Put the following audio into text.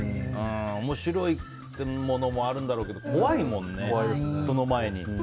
面白いものもあるんだろうけど怖いもんね、その前に。